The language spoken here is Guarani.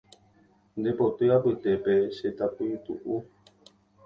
Nde poty apytépe che tapytu’u